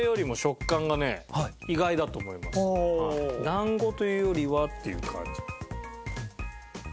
だんごというよりはっていう感じ。